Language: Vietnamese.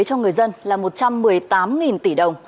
cho người dân là một trăm một mươi tám tỷ đồng